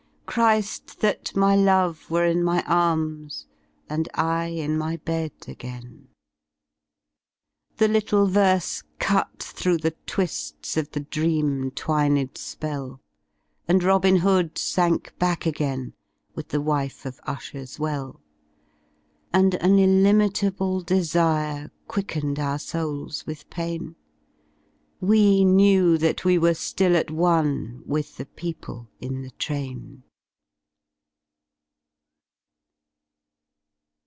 Chri^! That my love were in my arms And I in my bed again!" 95 The Uttk verse cut through the twiSls Of the dream twintd spelly And *'^ Robin Hood*'' sank back again With the 'Wife of Usher's Well:' And an illimitable desire Quickened our souls with pam. We knew that we were ftill at one With the people in the train.